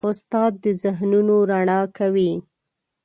استاد د ذهنونو رڼا کوي.